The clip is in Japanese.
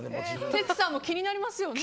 テツさんも気になりますよね。